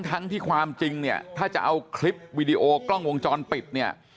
ทั้งที่ความจริงเนี่ยถ้าจะเอาคลิปวิดีโอกล้องวงจรปิดเนี่ย